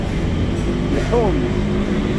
Lḥumt!